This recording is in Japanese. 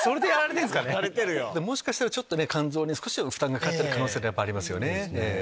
もしかしたら肝臓に少し負担かかってる可能性がありますよね。